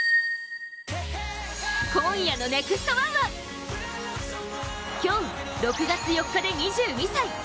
今夜の「ＮＥＸＴ☆１」は今日６月４日で２２歳。